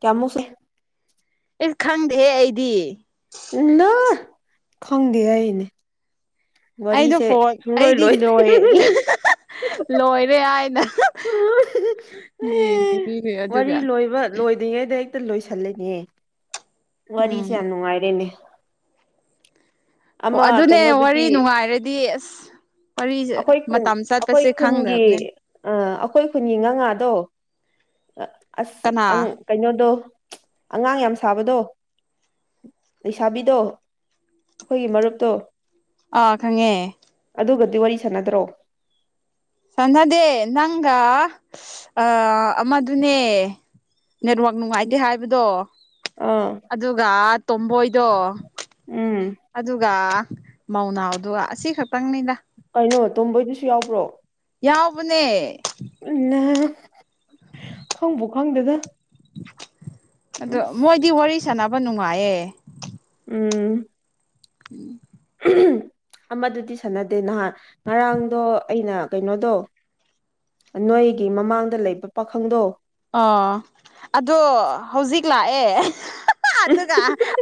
ꯀꯌꯥ ꯃꯨꯛꯁꯨ ꯢꯁ ꯈꯪꯗꯦꯍꯦ ꯑꯩꯗꯤ ꯎꯝ ꯅꯣ ꯈꯪꯗꯦ ꯍꯥꯢꯅꯦ ꯑꯩꯗꯣ ꯐꯣꯟ ꯑꯩꯗꯤ ꯂꯣꯏ ꯑꯥ ꯍꯥ ꯍꯥ ꯂꯣꯏꯔꯦ ꯍꯥꯏꯅ ꯌꯦꯡꯕꯤꯔꯤꯅꯦ ꯋꯥꯔꯤ ꯑꯗꯨꯒ ꯂꯣꯏꯕ ꯂꯣꯏꯗ꯭ꯔꯤꯉꯩꯗ ꯍꯦꯛꯇ ꯂꯣꯏꯁꯜꯂꯤꯅꯦ ꯋꯥꯔꯤꯁꯦ ꯎꯝ ꯌꯥꯝ ꯅꯨꯡꯉꯥꯏꯔꯦꯅꯦ ꯑꯣ ꯑꯃ ꯑꯗꯨꯅꯦ ꯀꯩꯅꯣꯗꯨꯗꯤ ꯋꯥꯔꯤ ꯅꯨꯡꯉꯥꯏꯔꯗꯤ ꯑꯁ ꯋꯥꯔꯤꯁꯦ ꯑꯩꯈꯣꯏ ꯈꯨꯟ ꯃꯇꯝ ꯑꯩꯈꯣꯏ ꯆꯠꯄꯁꯦ ꯈꯨꯟꯒꯤ ꯈꯪꯗꯕꯅꯦ ꯑꯥ ꯑꯈꯣꯏ ꯈꯨꯟꯒꯤ ꯉꯥ ꯉꯥꯗꯣ ꯑꯁ ꯀꯅꯥ ꯑꯪ ꯀꯩꯅꯣꯗꯣ ꯑꯉꯥꯡ ꯌꯥꯝ ꯁꯥꯕꯗꯣ ꯂꯩꯁꯥꯕꯤꯗꯣ ꯑꯩꯈꯣꯏꯒꯤ ꯃꯔꯨꯞꯇꯣ ꯑꯥ ꯈꯪꯉꯦ ꯑꯗꯨꯒꯗꯤ ꯋꯥꯔꯤ ꯁꯥꯟꯅꯗ꯭ꯔꯣ ꯁꯥꯟꯅꯗꯦ ꯅꯪꯒ ꯑꯥ ꯑꯃꯗꯨꯅꯦ ꯅꯦꯠꯋꯥꯛ ꯅꯨꯡꯉꯥꯏꯇꯦ ꯍꯥꯏꯕꯗꯣ ꯑꯥ ꯑꯗꯨꯒ ꯇꯣꯝꯕꯣꯏꯗꯣ ꯎꯝ ꯑꯗꯨꯒ ꯃꯧꯅꯥꯎꯗꯨꯒ ꯑꯁꯤ ꯈꯛꯇꯪꯅꯤꯅ ꯀꯩꯅꯣ ꯇꯣꯝꯕꯣꯏꯗꯨꯁꯨ ꯌꯥꯎꯕ꯭ꯔꯣ ꯌꯥꯎꯕꯅꯦ ꯎꯝꯅ ꯈꯪꯕꯨ ꯈꯪꯗꯦꯗ ꯑꯗꯣ ꯑꯁ ꯃꯣꯏꯗꯤ ꯋꯥꯔꯤ ꯁꯥꯟꯅꯕ ꯅꯨꯡꯉꯥꯏꯌꯦ ꯎꯝ [unintelligible] [unintelligible] ꯑꯃꯗꯨꯗꯤ ꯁꯥꯟꯅꯗꯦ ꯅꯍꯥꯟ ꯉꯔꯥꯡꯗꯣ ꯑꯩꯅ ꯀꯩꯅꯣꯗꯣ ꯅꯣꯏꯒꯤ ꯃꯃꯥꯡꯗ ꯂꯩꯕ ꯄꯥꯈꯪꯗꯣ ꯑꯣ ꯑꯗꯣ ꯍꯧꯖꯤꯛ ꯂꯥꯛꯑꯦ ꯑꯥ ꯍꯥꯍꯥ ꯑꯗꯨꯒ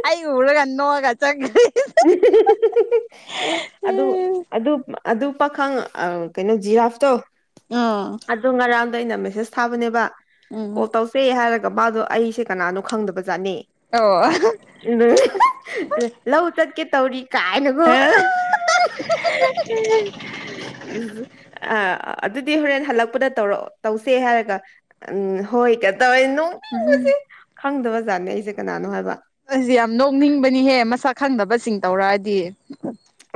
ꯑꯩ ꯎꯔꯒ ꯅꯣꯛꯑꯒ ꯆꯠꯈ꯭ꯔꯦ [unintelligible] ꯑꯦ ꯑꯗꯨ ꯑꯗꯨ ꯑꯗꯨ ꯄꯥꯈꯪ ꯑꯥ ꯀꯩꯅꯣ ꯖꯤꯔꯥꯐꯇꯣ ꯑꯥ ꯑꯗꯣ ꯉꯔꯥꯡꯗꯣ ꯑꯩꯅ ꯃꯦꯁꯦꯁ ꯊꯥꯕꯅꯦꯕ ꯀꯣꯜ ꯎꯝ ꯇꯧ ꯔꯤ ꯍꯥꯏꯔꯒ ꯃꯥꯗꯣ ꯑꯩꯁꯦ ꯀꯅꯥꯅꯣ ꯈꯪꯗꯕꯖꯥꯠꯅꯤ ꯑꯣ ꯑꯗꯨ ꯂꯧ ꯆꯠꯀꯦ ꯇꯧꯔꯤ ꯀꯥꯏꯅꯒꯣ ꯑ [unintelligible] ꯏꯁ ꯑ ꯑꯗꯨꯗꯤ ꯍꯣꯔꯦꯟ ꯍꯜꯂꯛꯄꯗ ꯇꯧꯔꯛ ꯇꯧꯁꯦ ꯍꯥꯏꯔꯒ ꯎꯝ ꯍꯣꯏ ꯀ ꯇꯧꯋꯦ ꯅꯣ [unintelligible] ꯈꯪꯗꯕꯖꯥꯠꯅꯦ ꯑꯩꯁꯦ ꯀꯅꯥꯅꯣ ꯍꯥꯏꯕ ꯑꯩꯁꯤ ꯌꯥꯝ ꯅꯣꯛꯅꯤꯡꯕꯅꯤꯍꯦ ꯃꯁꯛ ꯈꯪꯗꯕꯁꯤꯡ ꯇꯧꯔꯛꯑꯗꯤ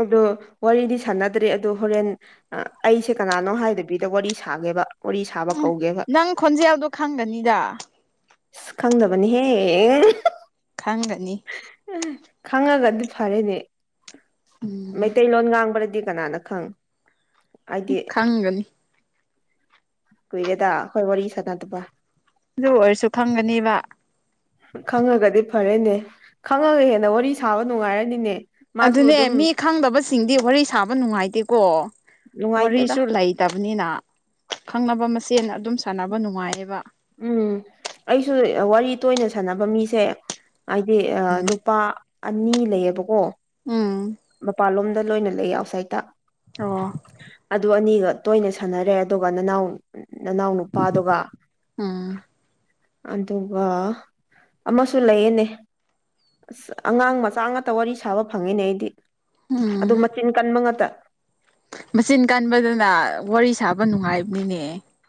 ꯑꯗꯣ ꯋꯥꯔꯤꯗꯤ ꯁꯥꯟꯅꯗ꯭ꯔꯤ ꯑꯗꯣ ꯍꯣꯔꯦꯟ ꯑ ꯑꯩꯁꯦ ꯀꯅꯥꯅꯣ ꯍꯥꯏꯗꯕꯤꯗ ꯋꯥꯔꯤ ꯁꯥꯒꯦꯕ ꯋꯥꯔꯤ ꯁꯥꯕ ꯎꯝ ꯀꯧꯒꯦꯕ ꯅꯪ ꯈꯣꯟꯖꯦꯜꯗꯣ ꯈꯪꯒꯅꯤꯗ ꯈꯪꯗꯕꯅꯤꯍꯦ ꯈꯪꯒꯅꯤ ꯈꯪꯉꯒꯗꯤ ꯐꯔꯦꯅꯦ ꯎꯝ ꯃꯩꯇꯩꯂꯣꯟ ꯉꯥꯡꯕꯔꯗꯤ ꯀꯅꯥꯅ ꯈꯪ ꯍꯥꯏꯗꯤ ꯑꯪꯒꯅꯤ ꯀꯨꯏꯔꯦꯗ ꯑꯩꯈꯣꯏ ꯋꯥꯔꯤ ꯁꯥꯟꯅꯗꯕ ꯑꯗꯨ ꯑꯣꯏꯔꯁꯨ ꯈꯪꯒꯅꯤꯕ ꯈꯪꯉꯒꯗꯤ ꯐꯔꯦꯅꯦ ꯈꯪꯉꯒ ꯍꯦꯟꯅ ꯋꯥꯔꯤ ꯁꯥꯕ ꯅꯨꯡꯉꯥꯏꯔꯅꯤꯅꯦ ꯃꯥꯁꯨ ꯑꯗꯨꯅꯦ ꯑꯗꯨꯝ ꯃꯤ ꯈꯪꯗꯕꯁꯤꯡꯗꯤ ꯋꯥꯔꯤ ꯁꯥꯕ ꯅꯨꯡꯉꯥꯏꯇꯦꯀꯣ ꯅꯨꯡꯉꯥꯏꯇꯦꯗ ꯋꯥꯔꯤꯁꯨ ꯂꯩꯇꯕꯅꯤꯅ ꯈꯪꯅꯕ ꯃꯁꯦꯟ ꯑꯗꯨꯝ ꯁꯥꯟꯅꯕ ꯅꯨꯡꯉꯥꯏꯌꯦꯕ ꯎꯝ ꯑꯩꯁꯨ ꯋꯥꯔꯤ ꯇꯣꯏꯅ ꯁꯥꯟꯅꯕ ꯃꯤꯁꯦ ꯑꯥꯏꯗꯤ ꯑ ꯅꯨꯄꯥ ꯑꯅꯤ ꯂꯩꯌꯦꯕꯀꯣ ꯎꯝ ꯃꯄꯥꯟꯂꯣꯝꯗ ꯂꯣꯏꯅ ꯂꯩꯌꯦ ꯑꯥꯎꯠꯁꯥꯏꯠꯇ ꯑꯣ ꯑꯗꯨ ꯑꯅꯤꯒ ꯇꯣꯏꯅ ꯁꯥꯟꯅꯔꯦ ꯑꯗꯨꯒ ꯅꯅꯥꯎ ꯅꯅꯥꯎ ꯅꯨꯄꯥꯗꯨꯒ ꯎꯝ ꯑꯗꯨꯒ ꯑꯃꯁꯨ ꯂꯩꯌꯦꯅꯦ ꯑꯁ ꯑꯉꯥꯡ ꯃꯆꯥ ꯉꯥꯛꯇ ꯋꯥꯔꯤ ꯁꯥꯕ ꯐꯪꯉꯦꯅꯦ ꯑꯩꯗꯤ ꯑꯗꯨ ꯎꯝ ꯃꯆꯤꯟ ꯀꯟꯕ ꯉꯥꯛꯇ ꯃꯆꯤꯟ ꯀꯟꯕꯗꯨꯅ ꯋꯥꯔꯤ ꯁꯥꯕ ꯅꯨꯡꯉꯥꯏꯕꯅꯤꯅꯦ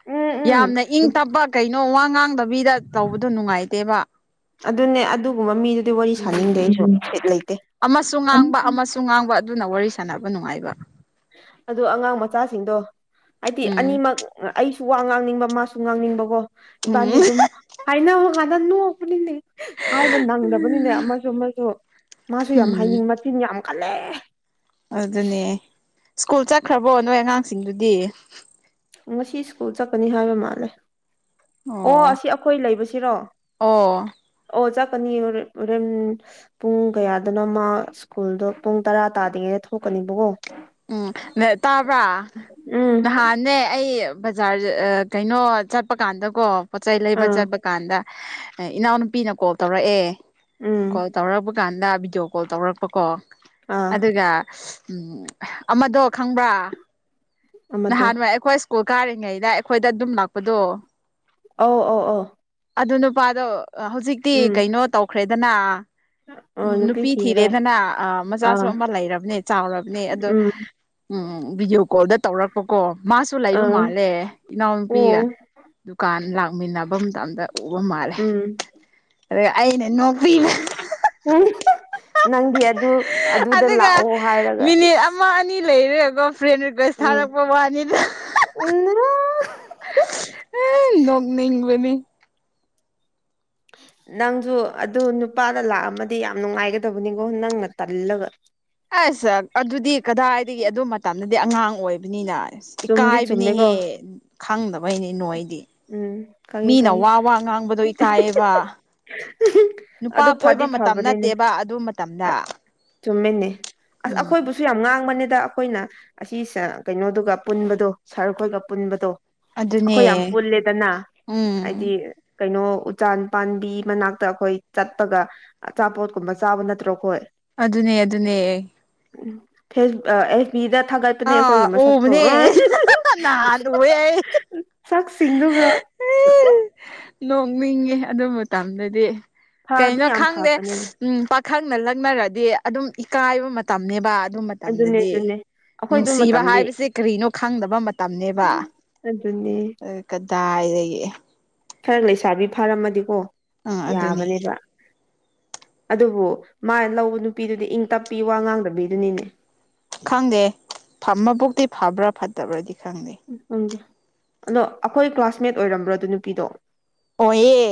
ꯎꯝ ꯎꯝ ꯌꯥꯝꯅ ꯏꯪ ꯇꯞꯄ ꯀꯩꯅꯣ ꯋꯥ ꯉꯥꯡꯗꯕꯤꯗ ꯇꯧꯕꯗꯣ ꯅꯨꯡꯉꯥꯏꯇꯦꯕ ꯑꯗꯨꯅꯦ ꯑꯗꯨꯒꯨꯝꯕ ꯃꯤꯗꯨꯗꯤ ꯋꯥꯔꯤ ꯁꯥꯅꯤꯡꯗꯦ ꯎꯝ ꯑꯩꯁꯨꯨ ꯕꯤꯠ ꯂꯩꯇꯦ ꯑꯃꯁꯨ ꯉꯥꯡꯕ ꯑꯃꯁꯨ ꯉꯥꯡꯕ ꯑꯗꯨꯅ ꯋꯥꯔꯤ ꯁꯥꯟꯅꯕ ꯅꯨꯡꯉꯥꯏꯕ ꯑꯗꯣ ꯑꯉꯥꯡ ꯃꯆꯥꯁꯤꯡꯗꯣ ꯑꯩꯗꯤ ꯎꯝ ꯑꯅꯤꯃꯛ ꯑꯩꯁꯨ ꯋꯥ ꯉꯥꯡꯅꯤꯡꯕ ꯃꯥꯁꯨ ꯉꯥꯡꯅꯤꯡꯕꯀꯣ ꯏꯕꯥꯅꯤ ꯎꯝ ꯑꯗꯨꯝ ꯍꯥꯏꯅꯕ ꯀꯥꯟꯗ ꯅꯣꯛꯄꯅꯤꯅꯦ ꯍꯥꯏꯕ ꯅꯪꯗꯕꯅꯤꯅꯦ ꯑꯃꯁꯨ ꯑꯃꯁꯨ ꯃꯥꯁꯨ ꯌꯥꯝ ꯎꯝ ꯍꯥꯏꯅꯤꯡ ꯃꯆꯤꯟ ꯌꯥꯝ ꯀꯜꯂꯦ ꯑꯗꯨꯅꯦ ꯁ꯭ꯀꯨꯜ ꯆꯠꯈ꯭ꯔꯕꯣ ꯅꯣꯏ ꯑꯉꯥꯡꯁꯤꯡꯗꯨꯗꯤ ꯉꯁꯤ ꯁ꯭ꯀꯨꯜ ꯆꯠꯀꯅꯤ ꯍꯥꯏꯕ ꯃꯥꯜꯂꯦ ꯑꯣ ꯑꯁꯤ ꯑꯩꯈꯣꯏ ꯂꯩꯕꯁꯤꯔꯣ ꯑꯣ ꯑꯣ ꯆꯀꯅꯤ ꯍꯣꯔꯦꯟ ꯍꯣꯔꯦꯟ ꯄꯨꯡ ꯀꯌꯥꯗꯨꯅ ꯃꯥ ꯁ꯭ꯀꯨꯜꯗꯣ ꯄꯨꯡ ꯇꯔꯥ ꯇꯥꯗ꯭ꯔꯤꯉꯩꯗ ꯊꯣꯛꯀꯅꯤꯕꯀꯣ ꯎꯝ ꯅꯦ ꯇꯥꯕ꯭ꯔꯥ ꯎꯝ ꯅꯍꯥꯟꯅꯦ ꯑꯩ ꯕꯖꯥꯔ ꯀꯩꯅꯣ ꯆꯠꯄ ꯀꯥꯟꯗ ꯀꯣ ꯄꯣꯠ ꯆꯩꯩ ꯂꯩꯕ ꯑꯥ ꯆꯠꯄ ꯀꯥꯟꯗ ꯏꯅꯥꯎꯅꯨꯄꯤꯅ ꯀꯣꯜ ꯇꯧꯔꯛꯑꯦ ꯀꯣꯜ ꯎꯝ ꯇꯧꯔꯛꯄ ꯀꯥꯟꯗ ꯚꯤꯗꯤꯑꯣ ꯀꯣꯜ ꯇꯧꯔꯛꯄꯀꯣ ꯑꯥ ꯑꯗꯨꯒ ꯑꯃꯗꯣ ꯈꯪꯕ꯭ꯔꯥ ꯑꯃꯗꯣ ꯅꯍꯥꯟꯋꯥꯏ ꯑꯩꯈꯣꯏ ꯀꯨꯜ ꯀꯥꯔꯤꯉꯩꯗ ꯑꯩꯈꯣꯏꯗ ꯑꯗꯨꯝ ꯂꯥꯛꯄꯗꯣ ꯑꯧ ꯑꯧ ꯑꯧ ꯑꯗꯨ ꯅꯨꯄꯥꯗꯣ ꯍꯧꯖꯤꯛꯇꯤ ꯎꯝ ꯀꯩꯅꯣ ꯇꯧꯈ꯭ꯔꯦꯗꯅ ꯑ ꯅꯨꯄꯤ ꯊꯤꯈ꯭ꯔꯦ ꯊꯤꯔꯦꯗꯅ ꯑ ꯃꯆꯥꯁꯨ ꯑꯥ ꯑꯃ ꯂꯩꯔꯕꯅꯦ ꯆꯥꯎꯔꯕꯅꯦ ꯑꯗꯣ ꯎꯝ ꯎꯝ ꯚꯤꯗꯤꯑꯣ ꯀꯣꯜꯗ ꯇꯧꯔꯛꯄꯀꯣ ꯃꯥꯁꯨ ꯂꯩꯕ ꯑꯥ ꯃꯥꯜꯂꯦ ꯏꯅꯥꯎꯅꯨꯄꯤꯒ ꯑꯣ ꯗꯨꯀꯥꯟ ꯂꯥꯛꯃꯤꯟꯅꯕ ꯃꯇꯝꯗ ꯎꯕ ꯃꯥꯜꯂꯦ ꯎꯝ ꯑꯗꯨꯒ ꯑꯩꯅ ꯅꯣꯛꯄꯤꯕ ꯎ ꯅꯪꯗꯤ ꯑꯗꯨ ꯑꯗꯨꯗ ꯂꯥꯛꯑꯣ ꯍꯥꯏꯔꯒ ꯏꯁ ꯃꯥ ꯑꯅꯤ ꯂꯩꯔꯦꯒꯣꯝ ꯐ꯭ꯔꯦꯟ ꯔꯤꯀꯨꯋꯦꯁ ꯊꯥꯔꯛꯄ ꯋꯥꯅꯤꯗ ꯎꯝ ꯅꯣꯛꯅꯤꯡꯕꯅꯤ ꯎꯝ ꯅꯪꯁꯨ ꯑꯗꯨ ꯅꯨꯄꯥꯗ ꯂꯥꯛꯑꯝꯃꯗꯤ ꯌꯥꯝ ꯅꯨꯡꯉꯥꯏꯒꯗꯕꯅꯤꯀꯣ ꯅꯪꯅ ꯇꯜꯂꯒ ꯑꯁ ꯁ ꯑꯗꯨꯗꯤ ꯀꯗꯥꯏꯗꯒꯤ ꯑꯗꯨ ꯃꯇꯝꯗꯗꯤ ꯑꯉꯥꯡ ꯑꯣꯏꯕꯅꯤꯅ ꯆꯨꯝꯗꯤ ꯆꯨꯝꯃꯦꯀꯣ ꯏꯀꯥꯏꯕꯅꯦꯍꯦ ꯈꯪꯗꯕꯩꯅꯦ ꯅꯣꯏꯗꯤ ꯎꯝ ꯈꯪꯉꯤ ꯃꯤꯅ ꯈꯪꯉꯤ ꯋꯥ ꯋꯥ ꯉꯥꯡꯕꯗꯣ ꯏꯀꯥꯏꯌꯦꯕ ꯅꯨꯄꯥ ꯑꯗꯨ ꯐꯗꯤ ꯀꯣꯏꯕ ꯃꯇꯝ ꯅꯠꯇꯦꯕ ꯑꯗꯨ ꯃꯇꯝꯗ ꯆꯨꯝꯃꯤꯅꯤ ꯑꯁ ꯎꯝ ꯑꯩꯈꯣꯏꯕꯨꯁꯨ ꯌꯥꯝ ꯉꯥꯡꯕꯅꯤꯗ ꯑꯩꯈꯣꯏꯅ ꯑꯁꯤ ꯁꯔ ꯀꯩꯅꯣꯗꯨꯒ ꯄꯨꯟꯕꯗꯣ ꯁꯥꯔ ꯈꯣꯏꯒ ꯄꯨꯟꯕꯗꯣ ꯑꯩꯈꯣꯏ ꯌꯥꯝ ꯑꯗꯨꯅꯦ ꯄꯨꯜꯂꯦꯗꯅ ꯍꯥꯏꯗꯤ ꯎꯝ ꯀꯩꯅꯣ ꯎꯆꯥꯟ ꯄꯥꯝꯕꯤ ꯃꯅꯥꯛꯇ ꯑꯩꯈꯣꯏ ꯆꯠꯄꯒ ꯑꯆꯥꯄꯣꯠꯀꯨꯝꯕ ꯆꯥꯕ ꯅꯠꯇ꯭ꯔꯣꯈꯣꯏ ꯑꯗꯨꯅꯦ ꯑꯗꯨꯅꯦ ꯎ ꯐꯦꯁ ꯑꯦꯁꯕꯤꯗ ꯊꯥꯒꯠ ꯄꯅꯦ ꯑꯥ ꯅꯦꯈꯣꯏ ꯃꯁꯛꯛꯇꯣ ꯎꯕꯅꯦ ꯅꯍꯥꯟ ꯎꯋꯦ ꯁꯥꯥꯛ ꯁꯤꯡꯗꯨꯒ ꯅꯣꯛꯅꯤꯡꯉꯤ ꯑꯗꯨ ꯃꯇꯝꯗꯗꯤ ꯐꯗꯤ ꯀꯩꯅꯣ ꯌꯥꯝ ꯈꯪꯗꯦ ꯐꯕꯅꯦ ꯎꯝ ꯄꯥꯈꯪꯅ ꯂꯛꯅꯔꯗꯤ ꯑꯗꯨꯝ ꯏꯀꯥꯏꯕ ꯃꯇꯝꯅꯤꯅꯦꯕ ꯑꯗꯨ ꯑꯗꯨꯅꯦ ꯃꯇꯝꯗꯗꯤ ꯑꯗꯨꯅꯦ ꯑꯩꯈꯣꯏꯗꯨ ꯅꯨꯡꯁꯤꯕ ꯃꯇꯝꯅꯤ ꯍꯥꯏꯕꯁꯦ ꯀꯔꯤꯅꯣ ꯈꯪꯗꯕ ꯃꯇꯝꯅꯦꯕ ꯑꯗꯨꯅꯦ ꯑ ꯀꯗꯥꯏꯗꯒꯤ ꯈꯔ ꯂꯩꯁꯥꯕꯤ ꯐꯥꯔꯝꯃꯗꯤꯀꯣ ꯑꯥ ꯑꯗꯨꯅꯦ ꯌꯥꯕꯅꯦꯕ ꯑꯗꯨꯕꯨ ꯃꯥꯅ ꯂꯧꯕ ꯅꯨꯄꯤꯗꯨꯗꯤ ꯏꯪ ꯇꯞꯄꯤ ꯋꯥ ꯉꯥꯡꯗꯕꯤꯗꯨꯅꯤꯅꯦ ꯈꯪꯗꯦ ꯐꯝꯃꯕꯨꯗꯤ ꯐꯕ꯭ꯔꯥ ꯐꯠꯇꯕ꯭ꯔꯗꯤ ꯈꯪꯗꯦ ꯎꯝ ꯑꯗꯣ ꯑꯩꯈꯣꯏ ꯀ꯭ꯂꯥꯁꯃꯦꯠ ꯑꯣꯏꯔꯝꯕ꯭ꯔꯣ ꯑꯗꯨ ꯅꯨꯄꯤꯗꯣ ꯑꯣꯏꯌꯦ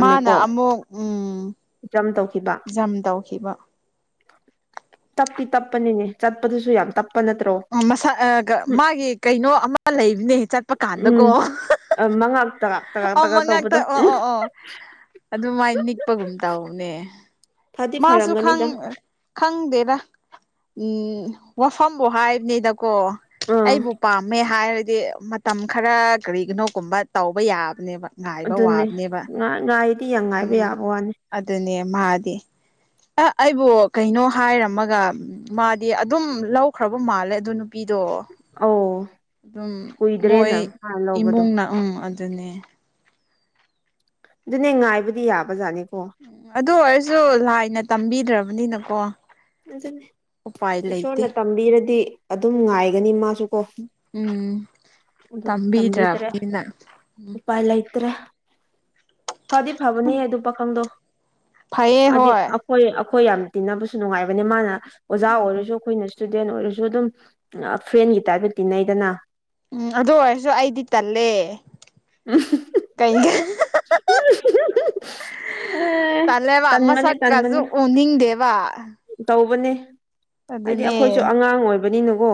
ꯃꯥꯅ ꯑꯃꯨꯛ ꯎꯝ ꯖꯝ ꯇꯧꯈꯤꯕ ꯖꯝ ꯇꯧꯈꯤꯕ ꯇꯞꯇꯤ ꯇꯞꯄꯅꯤꯅꯦ ꯆꯠꯄꯗꯨꯁꯨ ꯌꯥꯝ ꯇꯞꯄ ꯅꯠꯇ꯭ꯔꯣ ꯃꯁꯥ ꯃꯥꯒꯤ ꯀꯩꯅꯣ ꯑꯃ ꯂꯩꯕꯅꯦ ꯆꯠꯄ ꯀꯥꯟꯗꯀꯣ ꯎꯝ ꯎꯝ ꯃꯉꯛ ꯇꯒꯥꯛ ꯇꯒꯥꯛ ꯑꯣ ꯇꯒꯥꯛ ꯃꯉꯥꯇ ꯇꯧꯕꯗꯣ ꯑꯣ ꯑꯣ ꯑꯣ ꯑꯗꯨꯃꯥꯏ ꯅꯤꯛꯄꯒꯨꯝ ꯇꯧꯅꯦ ꯐꯗꯤ ꯃꯥꯁꯨ ꯈꯪ ꯐꯔꯝꯒꯅꯤꯗ ꯑ ꯈꯪꯗꯦꯗ ꯎꯝ ꯋꯥꯐꯝꯕꯨ ꯍꯥꯏꯕꯅꯤꯗ ꯀꯣ ꯑꯥ ꯑꯩꯕꯨ ꯄꯥꯝꯃꯦ ꯍꯥꯏꯔꯗꯤ ꯃꯠ ꯇꯝ ꯈꯔ ꯀꯔꯤꯒꯤꯅꯣꯒꯨꯝꯕ ꯇꯧꯕ ꯌꯥꯕꯅꯦꯕ ꯉꯥꯏꯕ ꯑꯗꯨꯅꯦ ꯋꯥꯕꯅꯦꯕ ꯉꯥ ꯉꯥꯏꯗꯤ ꯌꯥꯝ ꯉꯥꯏꯕ ꯎꯝ ꯌꯥꯕ ꯋꯥꯅꯤ ꯑꯗꯨꯅꯦ ꯃꯥꯗꯤ ꯑ ꯑꯩꯕꯨ ꯀꯩꯅꯣ ꯍꯥꯏꯔꯝꯃꯒ ꯃꯥꯗꯤ ꯑꯗꯨꯝ ꯂꯧꯈ꯭ꯔꯕ ꯃꯥꯜꯂꯦ ꯑꯗꯨ ꯅꯨꯄꯤꯗꯣ ꯑꯧ ꯑꯗꯨꯝ ꯃꯣꯏ ꯀꯨꯏꯗꯔꯦꯅ ꯃꯥꯟ ꯂꯧꯕꯗꯣ ꯏꯃꯨꯡꯅ ꯎꯝ ꯑꯗꯨꯅꯦ ꯑꯗꯨꯅꯦ ꯉꯥꯏꯕꯗꯤ ꯌꯥꯕꯖꯥꯠꯅꯤꯀꯣ ꯑꯗꯨ ꯑꯣꯏꯔꯁꯨ ꯂꯥꯏꯅ ꯇꯝꯕꯤꯗ꯭ꯔꯕꯅꯤꯅꯀꯣ ꯑꯗꯨꯅꯦ ꯎꯄꯥꯏ ꯂꯩꯇꯦ ꯏꯁꯣꯔꯅ ꯇꯝꯕꯤꯔꯗꯤ ꯑꯗꯨꯝ ꯉꯥꯏꯒꯅꯤ ꯃꯥꯁꯨ ꯀꯣ ꯎꯝ ꯑꯗꯣ ꯇꯝꯕꯤꯗꯔꯦ ꯇꯝꯕꯤꯗ꯭ꯔꯕꯅꯤꯅ ꯎꯄꯥꯏ ꯂꯩꯇ꯭ꯔꯦ ꯐꯗꯤ ꯐꯕꯅꯦꯍꯦ ꯑꯗꯨ ꯄꯥꯈꯪꯗꯣ ꯐꯩꯌꯦ ꯍꯥꯏꯗꯤ ꯍꯣꯏ ꯑꯩꯈꯣꯏ ꯑꯩꯈꯣꯏ ꯌꯥꯝ ꯇꯤꯟꯅꯕꯁꯨ ꯁꯨ ꯅꯨꯡꯉꯥꯏꯕꯅꯦ ꯃꯥꯅ ꯑꯣꯖꯥ ꯑꯣꯏꯔꯁꯨ ꯑꯩꯈꯣꯏꯅ ꯁ꯭ꯇꯨꯗꯦꯟ ꯑꯣꯏꯔꯁꯨ ꯑꯗꯨꯝ ꯑ ꯐ꯭ꯔꯦꯟꯒꯤ ꯇꯥꯏꯞꯇ ꯇꯤꯟꯅꯩꯗꯅ ꯎꯝ ꯑꯗꯨ ꯑꯣꯏꯔꯁꯨ ꯑꯩꯗꯤ ꯇꯜꯂꯦ [unintelligible] ꯀꯩ ꯒ ꯑꯦ ꯇꯜꯂꯦꯕ ꯇꯟꯕꯅꯦ ꯃꯁꯛ ꯀꯥꯖꯨ ꯇꯟꯕꯅꯦ ꯎꯅꯤꯡꯗꯦ ꯕ ꯇꯧꯕꯅꯦ ꯍꯥꯏꯗꯤ ꯑꯩꯈꯣꯏꯁꯨ ꯑꯉꯥꯡ ꯑꯣꯏꯕꯅꯤꯅꯀꯣ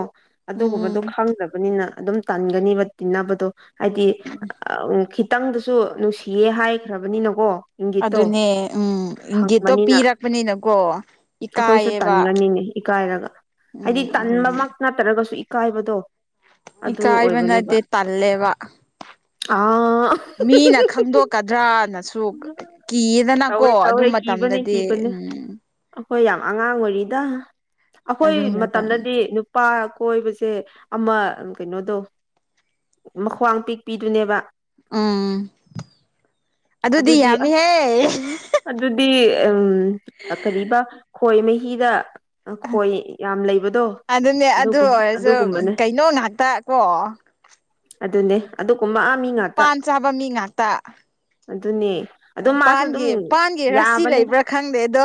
ꯑꯗꯨꯒꯨꯝꯕꯗꯣ ꯎꯝ ꯈꯪꯗꯕ ꯕꯅꯤꯅ ꯑꯗꯨꯝ ꯇꯟꯒꯅꯤꯕ ꯇꯤꯟꯅꯕꯗꯣ ꯍꯥꯏꯗꯤ ꯑꯥꯎꯝ ꯈꯤꯠ ꯇꯪꯗꯁꯨ ꯅꯨꯡꯁꯤꯌꯦ ꯍꯥꯏꯈ꯭ꯔꯕꯅꯤꯅꯀꯣ ꯏꯪꯒꯤꯠꯇꯣ ꯑꯗꯨꯅꯦ ꯎꯝ ꯏꯪꯒꯤꯠꯇꯣ ꯐꯪꯕꯅꯤꯅ ꯄꯤꯔꯛꯄꯅꯤꯅꯀꯣ ꯑꯩꯈꯣꯏꯁꯨ ꯏꯀꯥꯏꯌꯦꯕ ꯇꯟꯒꯅꯤꯅꯦ ꯏꯀꯥꯏꯔꯒ ꯍꯥꯏꯗꯤ ꯎꯝ ꯑꯗꯨꯅꯤ ꯇꯟꯕꯃꯛ ꯅꯠꯇ꯭ꯔꯒꯁꯨ ꯏꯀꯥꯏꯕꯗꯣ ꯑꯗꯨ ꯏꯀꯥꯏꯕ ꯑꯣꯏꯕꯅꯦꯕ ꯅꯠꯇꯦ ꯇꯜꯂꯦꯕ ꯑꯥ ꯃꯤꯅ ꯈꯪꯗꯣꯛꯀꯗ꯭ꯔꯅꯁꯨ ꯀꯤꯌꯦꯗꯅꯀꯣ ꯇꯧꯋꯦ ꯇꯧꯋꯦ ꯑꯗꯨꯝ ꯃꯠ ꯀꯤꯕꯅꯦ ꯇꯝꯗꯗꯤ ꯀꯤꯕꯅꯦ ꯎꯝ ꯑꯩꯈꯣꯏ ꯌꯥꯝ ꯑꯉꯥꯡ ꯑꯣꯏꯔꯤꯗ ꯑꯩꯈꯣꯏ ꯑꯗꯨ ꯃꯇꯝ ꯃꯇꯝꯗꯗꯤ ꯅꯨꯞ ꯄꯥ ꯀꯣꯏꯕꯁꯦ ꯑꯃ ꯎꯝ ꯀꯩꯅꯣꯗꯣ ꯃꯈ꯭ꯋꯥꯡ ꯄꯤꯛꯄꯤꯗꯨꯅꯦꯕ ꯎꯝ ꯑꯗꯨꯗꯤ ꯌꯥꯝꯃꯤꯍꯦ ꯑꯗꯨꯗꯤ ꯎꯝ ꯑ ꯀꯔꯤꯕ ꯈꯣꯏ ꯃꯍꯤꯗ ꯑ ꯈꯣꯏ ꯌꯥꯝ ꯂꯩꯕꯗꯣ ꯑꯗꯨꯅꯦ ꯑꯗꯨ ꯑꯗꯨꯒꯨꯝ ꯑꯣꯏꯔꯁꯨ ꯑꯗꯨꯒꯨꯝꯕꯅꯦ ꯀꯩꯅꯣ ꯉꯥꯛꯇ ꯀꯣ ꯑꯗꯨꯅꯦ ꯑꯗꯨꯒꯨꯝꯕ ꯃꯤ ꯉꯥꯛ ꯄꯥꯟ ꯆꯥꯕ ꯃꯤ ꯉꯥꯛꯇ ꯑꯗꯨꯅꯦ ꯑꯗꯨꯝ ꯃꯥꯁꯨ ꯑꯗꯨꯝ ꯄꯥꯟꯒꯤ ꯄꯥꯟꯒꯤ ꯔꯥꯁꯤ ꯂꯩꯕ꯭ꯔꯥ ꯈꯪꯗꯦ ꯑꯗꯣ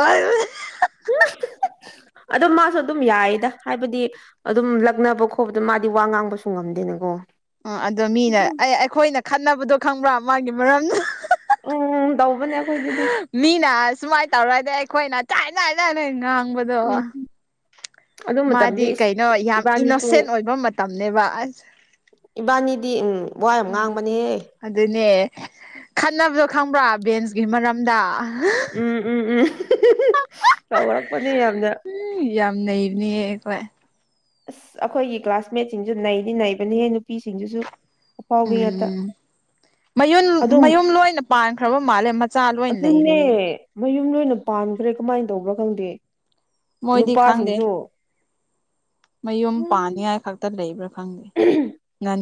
ꯑꯗꯣ ꯃꯥꯁꯨ ꯑꯗꯨꯝ ꯌꯥꯏꯌꯦꯗ ꯍꯥꯏꯕꯗꯤ ꯑꯗꯨꯝ ꯂꯛꯅꯕ ꯈꯣꯠꯄꯗ ꯃꯥꯗꯤ ꯋꯥ ꯉꯥꯡꯕꯁꯨ ꯉꯝꯗꯦꯅꯀꯣ ꯎꯝ ꯑꯗꯣ ꯃꯤꯅ ꯑꯩ ꯑꯩꯈꯣꯏꯅ ꯈꯠꯅꯕꯗꯣ ꯈꯪꯕ꯭ꯔꯥ ꯃꯥꯒꯤ ꯃꯔꯝꯅ ꯎꯝ ꯗꯧꯕꯅꯦ ꯑꯩꯈꯣꯏꯗꯤ ꯗꯨ ꯃꯤꯅ ꯑꯁꯨꯃꯥꯏꯟ ꯇꯧꯔꯗꯤ ꯑꯩꯈꯣꯏꯅ ꯆꯥꯏ ꯗꯥꯏ ꯗꯥꯏꯅ ꯉꯥꯡꯕ ꯑꯗꯣ ꯎꯝ ꯑꯗꯨ ꯃꯥꯗꯤ ꯃꯇꯝꯗꯤ ꯏꯁ ꯀꯩꯅꯣ ꯌꯥꯝ ꯏꯕꯥꯅꯤꯁꯨ ꯏꯅꯣꯁꯦꯟ ꯑꯣꯏꯕ ꯃꯠ ꯇꯝꯅꯦꯕ ꯑꯁ ꯏꯕꯥꯟꯅꯤꯗꯤ ꯎꯝ ꯋꯥ ꯌꯥꯝ ꯎꯝ ꯉꯥꯡꯕꯅꯤꯍꯦ ꯑꯗꯨꯅꯦ ꯈꯟꯅꯕꯗꯨ ꯈꯪꯕ꯭ꯔ ꯕꯦꯟꯁꯀꯤ ꯃꯔꯝꯗ [unintelligible] ꯎꯝ ꯎꯝ ꯎꯝ [unintelligible] ꯇꯧꯔꯛꯄꯅꯦ ꯌꯥꯝꯅ [unintelligible] ꯌꯥꯝ ꯅꯩꯕꯅꯤꯍꯦ ꯑꯩꯈꯣꯏ ꯑꯁ ꯑꯈꯣꯏꯒꯤ ꯀ꯭ꯂꯥꯁꯃꯦꯠ ꯁꯤꯡꯖꯨ ꯅꯩꯗꯤ ꯅꯩꯕꯅꯤꯍꯦ ꯅꯨꯄꯤ ꯁꯤꯡꯗꯨꯁꯨ ꯎꯝ ꯃꯌꯨꯝ ꯑꯗꯨꯝ ꯃꯌꯨꯝ ꯂꯣꯏꯅ ꯄꯥꯟꯈ꯭ꯔꯕ ꯃꯥꯜꯂꯦ ꯃꯆꯥ ꯂꯣꯏ ꯑꯗꯨꯅꯦ ꯂꯩꯔꯦ ꯃꯌꯨꯝ ꯂꯣꯏꯅ ꯄꯥꯟꯈ꯭ꯔꯦ ꯀꯃꯥꯏꯟ ꯇꯧꯕ꯭ꯔ ꯈꯪꯗꯦ ꯃꯣꯏꯗꯤ ꯈꯪꯗꯦ ꯅꯨꯄꯥꯁꯤꯡꯁꯨ ꯃꯌꯨꯝ ꯄꯥꯟꯅꯤꯡꯉꯥꯏ ꯈꯛꯇ ꯂꯩꯕ꯭ꯔ [unintelligible]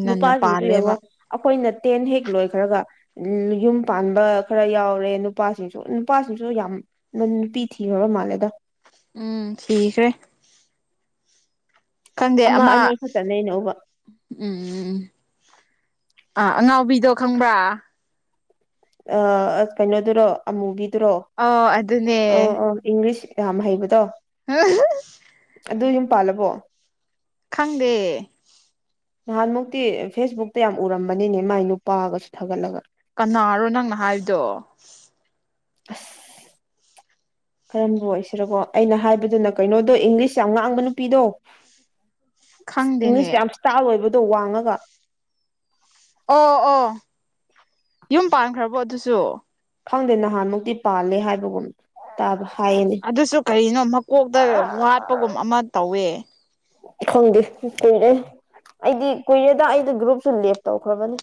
ꯅꯨꯄꯥꯁꯤꯡꯁꯨ ꯌꯦꯡꯉꯣ ꯑꯈꯣꯏꯅ ꯇꯦꯟ ꯍꯦꯛ ꯂꯣꯏꯈ꯭ꯔꯒ ꯎꯝ ꯌꯨꯝ ꯄꯥꯟꯕ ꯈꯔ ꯌꯥꯎꯔꯦ ꯅꯨꯄꯥꯁꯤꯡꯁꯨ ꯅꯨꯄꯥꯁꯤꯡꯁꯨ ꯌꯥꯝ [unintelligible] ꯅꯨꯄꯤ ꯊꯤꯔꯕ ꯃꯥꯜꯂꯦꯗ ꯎꯝ ꯊꯤꯈ꯭ꯔꯦ ꯈꯪꯗꯦ ꯑꯃ ꯑꯅꯤ ꯈꯛꯇꯅꯦ ꯑꯩꯅ ꯎꯕ ꯎꯝ ꯑꯥ ꯑꯉꯥꯎꯕꯤꯗꯣ ꯈꯪꯕ꯭ꯔ ꯑ ꯑ ꯀꯩꯅꯣꯗꯨꯔꯣ ꯑꯃꯨꯕꯤꯗꯨꯔꯣ ꯑꯣ ꯑꯗꯨꯅꯦ ꯏꯪꯔꯤꯁ ꯌꯥꯝ ꯍꯩꯕꯗꯣ ꯑꯗꯨ ꯌꯨꯝ ꯄꯥꯜꯂꯕꯣ ꯈꯪꯗꯦ ꯅꯍꯥꯟꯃꯨꯛꯇꯤ ꯐꯦꯁꯕꯨꯛꯇ ꯌꯥꯝ ꯎꯔꯝꯕꯅꯤꯅꯦ ꯃꯥꯏ ꯅꯨꯄꯥꯒꯁꯨ ꯊꯥꯒꯠꯂꯒ ꯀꯅꯥꯔꯣ ꯅꯪꯅ ꯍꯥꯏꯗꯣ ꯑꯁ ꯀꯔꯝꯕ ꯑꯣꯏꯁꯤꯔꫭꯀꫭ ꯑꯩꯅ ꯍꯥꯏꯕꯗꯨꯅ ꯀꯩꯅꯣꯗꯣ ꯏꯪꯂꯤꯁ ꯌꯥꯝ ꯉꯥꯡꯕ ꯅꯨꯄꯤꯗꯣ [unintelligible] ꯈꯪꯗꯦꯅꯦ ꯏꯪꯂꯤꯁ ꯌꯥꯝ ꯏꯁꯇꯥꯜ ꯑꯣꯏꯕꯗꯣ ꯋꯥꯡꯉꯒ ꯑꯣ ꯑꯣ ꯌꯨꯝ ꯄꯥꯟꯈ꯭ꯔꯕꯣ ꯑꯗꯨꯁꯨ ꯈꯪꯗꯦ ꯅꯍꯥꯟꯃꯨꯛꯇꯤ ꯄꯥꯜꯂꯦ ꯍꯥꯏꯕꯒꯨꯝ ꯇꯥꯕ ꯍꯥꯏꯌꯦꯅꯦ ꯗꯨꯁꯨ ꯀꯩꯅꯣ ꯃꯀꯣꯛꯇ ꯋꯥꯠꯄꯒꯨꯝ ꯑꯃ ꯇꯧꯋꯦ ꯈꯪꯗꯦ ꯀꯨꯏꯔꯦ ꯑꯩꯗꯤ ꯀꯨꯏꯔꯦꯗ ꯑꯩꯩꯗꯤ ꯒ꯭ꯔꯨꯞꯁꯨ ꯂꯦꯞ ꯇꯧꯈ꯭ꯔꯕꯅꯦ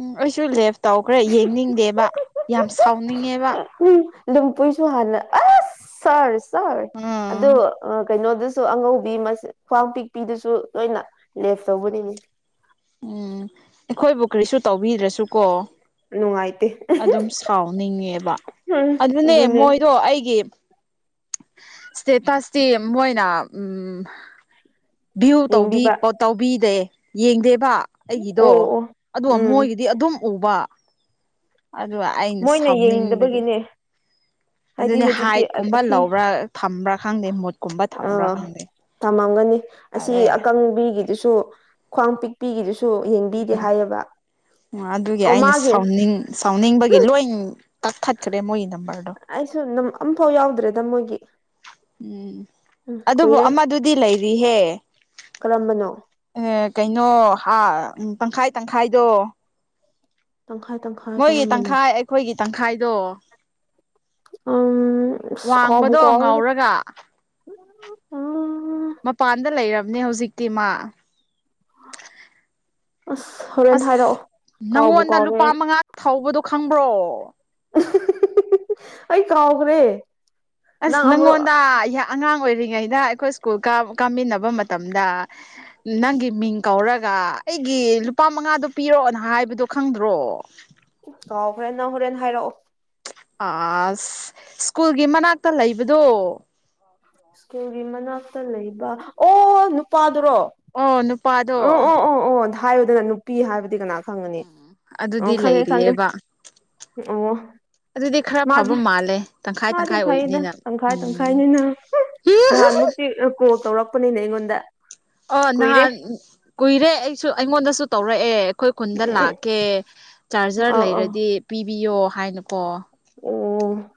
ꯎꯝ ꯑꯩꯁꯨ ꯂꯦꯞ ꯇꯧꯈ꯭ꯔꯦ ꯌꯦꯡꯅꯤꯡꯗꯦꯕ ꯌꯥꯝ ꯁꯥꯎꯅꯤꯡꯉꯦꯕ ꯎꯝ ꯂꯨꯝꯄꯨꯏꯁꯨ ꯍꯥꯟꯅ ꯑꯁ ꯁꯥꯔ ꯁꯥꯔ ꯑꯗꯣ ꯎꯝ ꯑ ꯀꯩꯅꯣꯗꯨꯁꯨ ꯑꯉꯧꯕꯤ [unintelligible] ꯈ꯭ꯋꯥꯡ ꯄꯤꯛꯄꯤꯗꯨꯁꯨ ꯂꯣꯏꯅ ꯂꯦꯞ ꯇꯧꯕꯅꯤꯅꯦ ꯎꯝ ꯑꯩꯈꯣꯏꯕꯨ ꯀꯔꯤꯁꯨ ꯇꯧꯕꯤꯗ꯭ꯔꯁꯨ ꯀꯣ ꯅꯨꯡꯉꯥꯏꯇꯦ ꯑꯗꯨꯝ ꯁꯥꯎꯅꯤꯡꯉꯦꯕ ꯑꯗꯨꯅꯦ ꯃꯣꯏꯗꯣ ꯑꯩꯒꯤ ꯏꯁꯇꯦꯇꯁꯇꯤ ꯃꯣꯏꯅ ꯎꯝ ꯚ꯭ꯌꯨ ꯇꯧꯗꯤ ꯌꯦꯡꯕꯤꯕ ꯄꯣ ꯇꯧꯕꯤꯗꯦ ꯌꯦꯡꯗꯦꯕ ꯑꯣ ꯑꯩꯒꯤꯗꯣ ꯑꯣ ꯑꯗꫭ ꯎꯝ ꯃꯣꯏꯒꯤꯗꯤ ꯑꯗꯨꯝ ꯎꯕ ꯑꯗꯨ ꯑꯩ ꯃꯣꯏꯅ ꯌꯦꯡꯗꯕꯒꯤꯅꯦ ꯍꯥꯏꯗꯤ ꯑꯗꯨꯅꯦ ꯍꯧꯖꯤꯛꯇꯤ ꯍꯥꯏꯠꯀꯨꯝꯕ ꯑꯁꯤ ꯂꯧꯕ꯭ꯔ ꯊꯝꯕ꯭ꯔ ꯈꯪꯗꯦ ꯃꯨꯠꯀꯨꯝꯕ ꯊꯝꯕ꯭ꯔ ꯑꯥ ꯈꯪꯗꯦ ꯊꯝꯃꯝꯒꯅꯤ ꯑꯁꯤ ꯑꯗꯨ ꯑꯀꯪꯕꯤꯒꯤꯗꯨꯁꯨ ꯈ꯭ꯋꯥꯡ ꯄꯤꯛ ꯄꯤꯒꯤꯗꯨꯁꯨ ꯌꯦꯡꯕꯤꯗꯦ ꯍꯥꯏꯌꯦꯕ ꯑꯗꯨꯒꯤ ꯑꯣ ꯑꯩꯅ ꯃꯥꯒꯤ ꯁꯥꯎꯅꯤꯡ ꯁꯥꯎꯅꯤꯡꯕꯒꯤ ꯎꯝ ꯂꯣꯏꯟ ꯀꯛꯊꯠꯈ꯭ꯔꯦ ꯃꯣꯏꯒꯤ ꯅꯝꯕꯔꯗꯣ ꯑꯩꯁꯨ ꯅꯝ ꯑꯝꯐꯥꯎ ꯌꯥꯎꯗ꯭ꯔꯦꯗ ꯃꯣꯏꯒꯤ ꯎꯝ ꯎꯝ ꯑꯗꯨꯕꯨ ꯀꯨꯏꯔꯦ ꯑꯃꯗꯨꯗꯤ ꯂꯩꯔꯤꯍꯦ ꯀꯔꯝꯕꯅꯣ ꯑꯦ ꯀꯩꯅꯣ ꯍꯥ ꯇꯪꯈꯥꯏ ꯇꯪꯈꯥꯏꯗꯣ ꯇꯪꯈꯥꯏ ꯇꯪꯈꯥꯏ ꯃꯣꯏꯒꯤ ꯀꯔꯝꯕꯅꯣ ꯇꯪꯈꯥꯏ ꯑꯩꯈꯣꯏꯒꯤ ꯇꯪꯈꯥꯏꯗꯣ ꯎꯝ ꯑꯁ ꯀꯥꯎꯕꯨ ꯋꯥꯡꯕꯗꯣ ꯀꯥꯎꯔꯦꯗ ꯉꯧꯔꯒ [unintelligible] ꯃꯄꯥꯟꯗ ꯂꯩꯔꯕꯅꯦ ꯍꯧꯖꯤꯛꯇꯤ ꯃꯥ ꯑꯁ ꯍꯣꯔꯦꯟ ꯑꯁ ꯍꯥꯏꯔꯛꯑꯣ ꯀꯥꯎꯕꯨ ꯅꯪꯉꯣꯟꯗ ꯀꯥꯎꯔꯦ ꯂꯨꯄꯥ ꯑꯩ ꯃꯉꯥ ꯊꯧꯕꯗꯣ ꯈꯪꯕ꯭ꯔꯣ ꯑꯩ ꯀꯥꯎꯒ꯭ꯔꯦ ꯑꯁ ꯅꯪꯉꯣꯟꯗ ꯌꯥ ꯑꯉꯥꯡ ꯑꯣꯏꯔꯤꯉꯩꯗ ꯑꯩꯈꯣꯏ ꯁ꯭ꯀꯨꯜ ꯀꯥ ꯀꯥꯃꯤꯟꯅꯕ ꯃꯇꯝꯗ ꯅꯪꯒꯤ ꯃꯤꯡ ꯀꯧꯔꯒ ꯑꯩꯒꯤ ꯂꯨꯄꯥ ꯃꯉꯥꯗ‌ꯣ ꯄꯤꯔꯛꯑꯣꯅ ꯍꯥꯏꯕꯗꯣ ꯈꯪꯗ꯭ꯔꯣ ꯀꯥꯎꯈ꯭ꯔꯦ ꯅꯪ ꯍꯣꯔꯦꯟ ꯍꯥꯏꯔꯛꯑꯣ ꯑꯁ ꯁ꯭ꯀꯨꯜꯒꯤ ꯃꯅꯥꯛꯇ ꯂꯩꯕꯗꯣ ꯁ꯭ꯀꯨꯜꯒꯤ ꯃꯅꯥꯛꯇ ꯂꯩꯕ ꯑꯣ ꯅꯨꯄꯥꯗꯨꯔꯣ ꯑꯣ ꯅꯨꯄꯥꯗꯣ ꯑꯣ ꯑꯣ ꯑꯣ ꯑꯣ ꯍꯥꯏꯌꯨꯗꯅ ꯅꯨꯄꯤ ꯍꯥꯏꯕꯗꯤ ꯀꯅꯥ ꯐꯪꯒꯅꯤ ꯑ‌ꯣ ꯑꯗꯨꯗꯤ ꯈꯪꯉꯦ ꯈꯪꯉꯦ ꯂꯩꯔꯤꯑꯕ ꯑꯣ ꯑꯗꯨꯗꯤ ꯈꯔ ꯐꯕ ꯃꯥꯒꯤ ꯃꯥꯜꯂꯦ ꯇꯪꯈꯥꯏ ꯃꯥꯗꯤ ꯇꯪꯈꯥꯏ ꯐꯩꯗ ꯑꯣꯏꯕꯅꯤꯅ ꯇꯪꯈꯥꯏ ꯎꯝ ꯇꯪꯈꯥꯏꯅꯤꯅ ꯅꯍꯥꯟꯃꯨꯛ ꯇꯤꯛ ꯑ‌ ꯀꯣꯜ ꯇꯧꯔꯛꯄꯅꯤꯅꯦ ꯑꯩꯉꯣꯟꯗ ꯑꯣ ꯀꯨꯏꯔꯦ ꯅꯍꯥꯟ ꯀꯨꯏꯔꯦ ꯑꯩꯁꯨ ꯑꯩꯉꯣꯟꯗꯁꯨ ꯇꯧꯔꯛꯑꯦ ꯑꯩꯈꯣꯏ ꯈꯨꯟꯗ ꯎꯝ ꯂꯥꯛꯀꯦ ꯆꯥꯔꯖ꯭ꯔ ꯑꯧ ꯑꯧ ꯂꯩꯔꯗꯤ ꯄꯤꯕꯤꯌꯣ ꯍꯥꯏꯅꯀꯣ ꯑꯣ